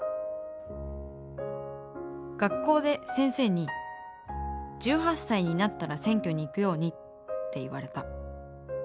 学校で先生に「１８歳になったら選挙に行くように」って言われた。